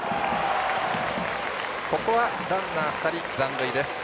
ここはランナー２人残塁です。